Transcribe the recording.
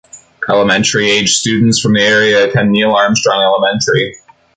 Elementary-aged students from the area attend Neil Armstrong Elementary.